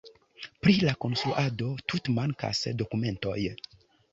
Pri la konstruado tute mankas dokumentoj.